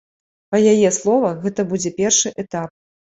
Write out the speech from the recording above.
Па яе словах, гэта будзе першы этап.